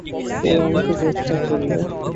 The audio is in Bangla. ওরা আমাকে গ্রেফতার করল।